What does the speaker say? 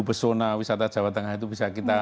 pesona wisata jawa tengah itu bisa kita